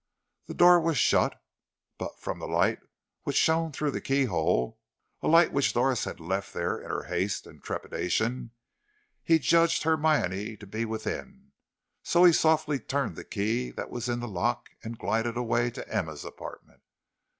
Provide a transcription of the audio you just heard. The door was shut, but from the light which shone through the keyhole (a light which Doris had left there in her haste and trepidation), he judged Hermione to be within, so he softly turned the key that was in the lock, and glided away to Emma's apartment.